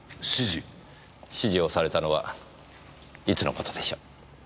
指示をされたのはいつの事でしょう？